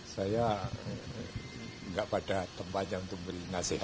saya nggak pada tempatnya untuk beri nasihat